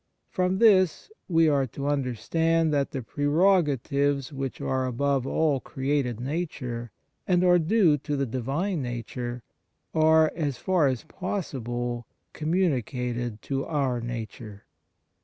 From this we are to understand that the prerogatives which are above all created nature, and are due to the Divine Nature, are, as far as possible, communicated to our nature.